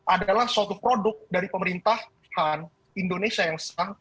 adalah suatu produk dari pemerintahan indonesia yang sah